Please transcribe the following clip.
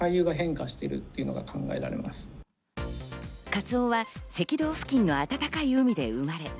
カツオは赤道付近の温かい海で生まれ。